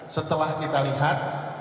setelah kita lihat